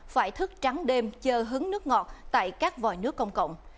phải thức trắng đêm chơi hứng nước ngọt tại các vòi nước công cộng